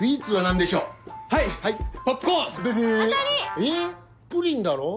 えっプリンだろ？